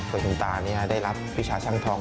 ประชุมตานี้ได้รับวิชาช่างทอง